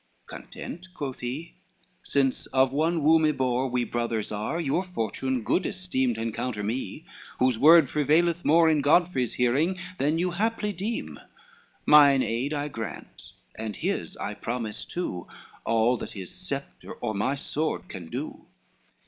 "Content," quoth he, "since of one womb ybore, We brothers are, your fortune good esteem To encounter me whose word prevaileth more In Godfrey's hearing than you haply deem: Mine aid I grant, and his I promise too, All that his sceptre, or my sword, can do."